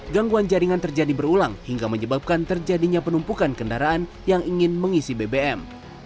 gangguan jaringan terjadi berulang hingga menyebabkan terjadinya penumpukan kendaraan yang ingin mengisi bbm